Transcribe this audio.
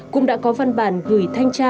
cũng đã có văn bản gửi thanh tra